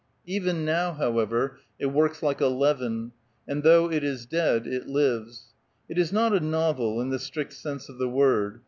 Even now, however, it works like a leaven ; and though it is dead, it lives. It is not a novel in the strict sense of the word.